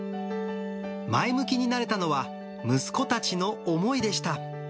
前向きになれたのは、息子たちの思いでした。